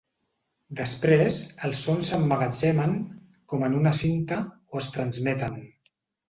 Després, els sons s'emmagatzemen, com en una cinta, o es transmeten.